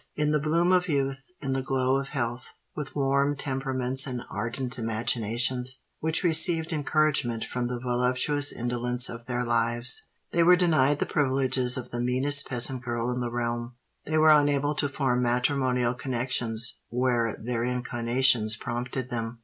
In the bloom of youth—in the glow of health—with warm temperaments and ardent imaginations, which received encouragement from the voluptuous indolence of their lives—they were denied the privileges of the meanest peasant girl in the realm:—they were unable to form matrimonial connexions where their inclinations prompted them.